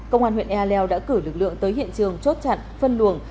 công an huyện ea leo đã cử lực lượng tới hiện trường chốt chặn phân luồng